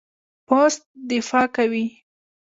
پوست دفاع کوي.